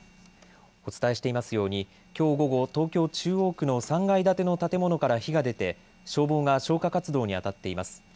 お伝えしていますようにきょう午後、東京中央区の３階建ての建物から火が出て消防が消火活動にあたっています。